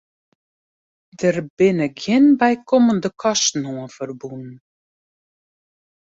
Der binne gjin bykommende kosten oan ferbûn.